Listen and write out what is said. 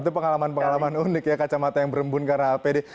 itu pengalaman pengalaman unik ya kacamata yang berembun karena apd